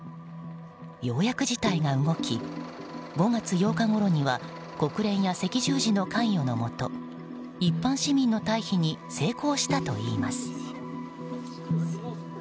ようやく事態が動き５月８日ごろには国連や赤十字の関与のもと一般市民の退避に成功したといいます。